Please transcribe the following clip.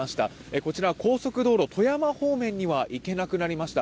こちら、高速道路、富山方面には行けなくなりました。